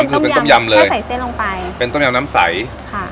ก็คือเป็นต้มยำเลยใส่เส้นลงไปเป็นต้มยำน้ำใสค่ะ